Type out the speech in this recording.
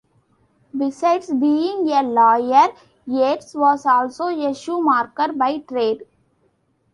Besides being a lawyer, Yates was also a shoemaker by trade.